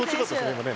今ね。